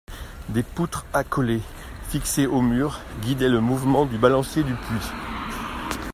Des poutres accolées, fixées aux murs, guidaient le mouvement du balancier du puits.